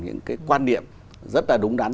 những cái quan niệm rất là đúng đắn